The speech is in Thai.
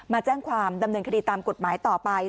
มาแจ้งความดำเนินคดีตามกฎหมายต่อไป